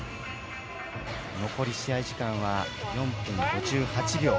残り試合時間は４分５８秒。